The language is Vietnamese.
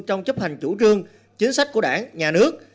trong chấp hành chủ trương chính sách của đảng nhà nước